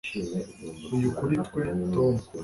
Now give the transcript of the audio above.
uyu kuri twe, tom